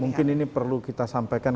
mungkin ini perlu kita sampaikan